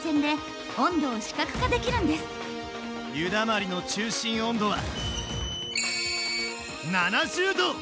湯だまりの中心温度は７０℃！